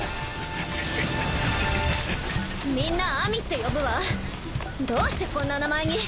みんな「アミ」って呼ぶわどうしてこんな名前に？